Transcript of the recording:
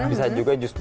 bisa juga jus buah